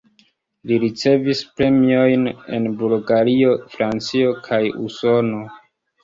Li ricevis premiojn en Bulgario, Francio kaj Usono.